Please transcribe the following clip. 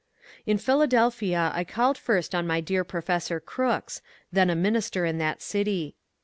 In Philadelphia I called first on my dear Professor Crooks, then a minister in that city.